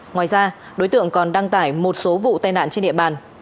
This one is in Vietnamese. ngoài ra đối tượng còn đăng tải một số vụ tai nạn trên địa bàn